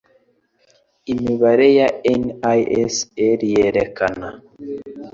Imibare ya NISR yerekana